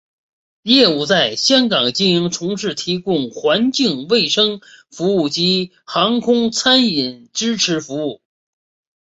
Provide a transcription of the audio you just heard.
业务在香港经营从事提供环境卫生服务及航空餐饮支持服务。